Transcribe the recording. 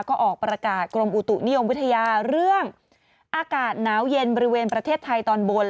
ก็ออกประกาศกรมอุตุนิยมวิทยาเรื่องอากาศหนาวเย็นบริเวณประเทศไทยตอนบน